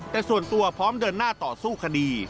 แต่ส่วนตัวพร้อมเดินหน้าต่อสู้คดี